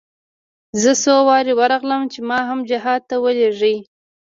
زه څو وارې ورغلم چې ما هم جهاد ته ولېږي.